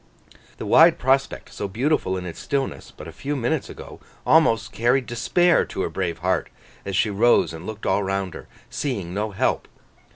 The wide prospect, so beautiful in its stillness but a few minutes ago, almost carried despair to her brave heart, as she rose and looked all round her, seeing no help.